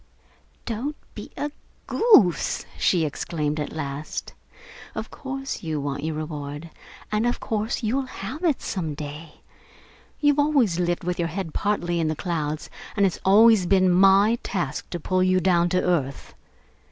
"Don't be a goose!" she exclaimed at last. "Of course you want your reward, and of course you'll have it, some day! You've always lived with your head partly in the clouds, and it's always been my task to pull you down to earth.